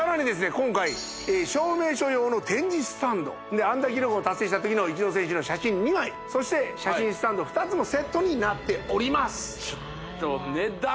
今回証明書用の展示スタンド安打記録を達成した時のイチロー選手の写真２枚そして写真スタンド２つもセットになっております